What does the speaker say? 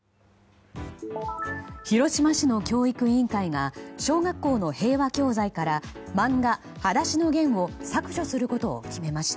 広島市の教育委員会が小学校の平和教材から漫画「はだしのゲン」を削除することを決めました。